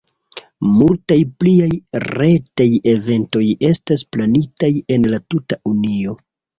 Multaj pliaj retaj eventoj estas planitaj en la tuta Unio.